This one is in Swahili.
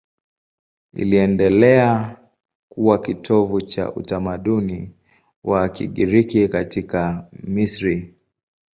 Iliendelea kuwa kitovu cha utamaduni wa Kigiriki katika Misri.